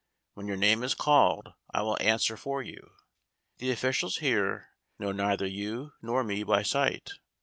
When your name is called I will answer for you. The officials here know neither you nor me by sight.